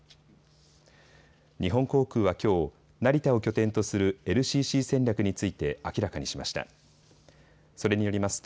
日本航空はきょう成田を拠点とするＬＣＣ戦略について明らかにしました。